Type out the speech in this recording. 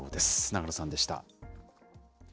永野さんでした。